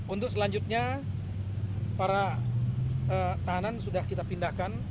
untuk selanjutnya para tahanan sudah kita pindahkan